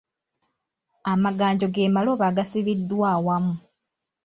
Amaganjo ge malobo agasibiddwa awamu.